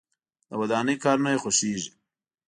د ودانۍ کارونه یې خوښیږي.